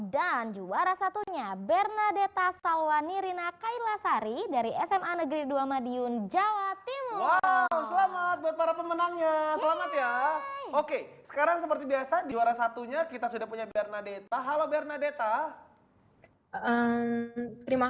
dan juara satunya bernadetta sawanirina kailasari dari sma negeri dua madiun jawa timur